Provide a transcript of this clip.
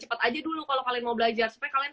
cepet aja dulu kalo kalian mau belajar supaya kalian